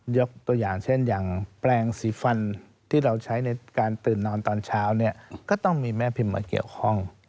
ยกตัวอย่างเช่นอย่างแปลงสีฟันที่เราใช้ในการตื่นนอนตอนเช้าเนี่ยก็ต้องมีแม่พิมพ์มาเกี่ยวข้อง